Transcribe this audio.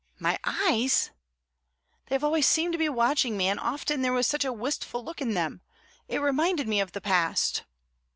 "My eyes?" "They have always seemed to be watching me, and often there was such a wistful look in them it reminded me of the past."